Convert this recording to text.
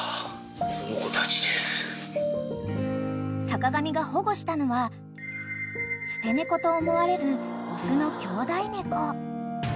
［坂上が保護したのは捨て猫と思われる雄の兄弟猫］